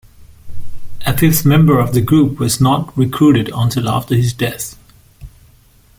A fifth member of the group was not recruited until after his death.